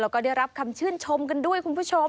แล้วก็ได้รับคำชื่นชมกันด้วยคุณผู้ชม